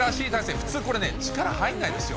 普通これね、力入んないですよ。